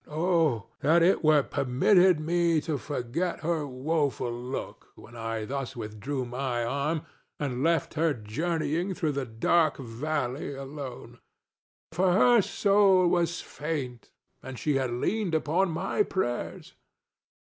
Oh that it were permitted me to forget her woeful look when I thus withdrew my arm and left her journeying through the dark valley alone! for her soul was faint and she had leaned upon my prayers.